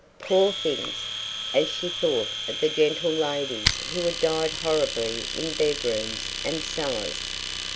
"Poor things!" as she thought of the gentle ladies who had died horribly in bedrooms and cellars.